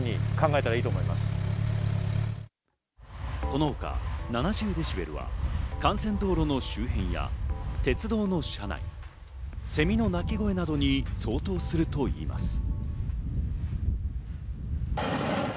この他、７０デシベルは幹線道路の周辺や鉄道の車内、セミの鳴き声などに相当するといいます。